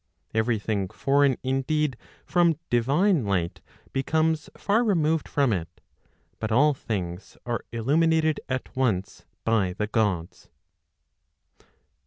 Every thing foreign indeed from divine light becomes far removed from it. But all things are illuminated at once by the Gods.